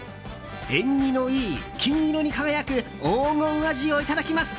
縁起のいい、金色に輝く黄金アジをいただきます。